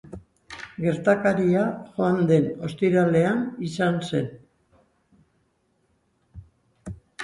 Gertakaria joan den ostiralean izan zen.